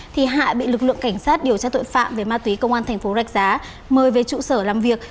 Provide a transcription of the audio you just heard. thì hạ bị lực lượng cảnh sát điều tra tội phạm về mạc túy công an tp rạch giá mời về trụ sở làm việc